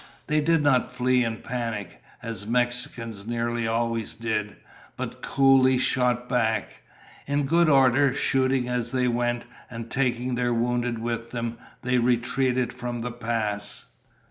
They did not flee in panic, as Mexicans nearly always did, but coolly shot back. In good order, shooting as they went and taking their wounded with them, they retreated from the pass.